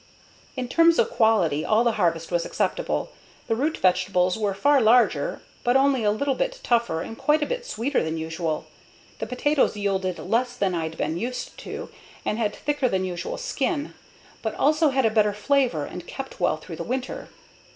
In terms of quality, all the harvest was acceptable. The root vegetables were far larger but only a little bit tougher and quite a bit sweeter than usual. The potatoes yielded less than I'd been used to and had thicker than usual skin, but also had a better flavor and kept well through the winter.